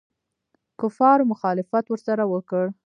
کفارو مخالفت ورسره وکړ.